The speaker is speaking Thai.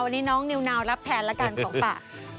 วันนี้น้องนิวนาวรับแทนละกันของฝาก